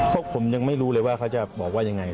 พวกผมยังไม่รู้เลยว่าเขาจะบอกว่ายังไง